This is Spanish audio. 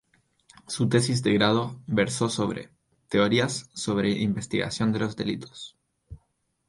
Su tesis de grado versó sobre ""Teorías sobre investigación de los Delitos"".